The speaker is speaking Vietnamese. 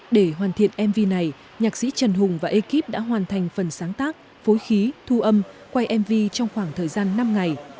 để hoàn thiện mv này nhạc sĩ trần hùng và ekip đã hoàn thành phần sáng tác phối khí thu âm quay mv trong khoảng thời gian năm ngày